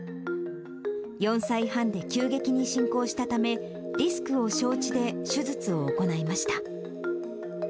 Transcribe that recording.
４歳半で急激に進行したため、リスクを承知で手術を行いました。